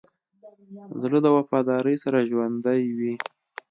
زړه د وفادارۍ سره ژوندی وي.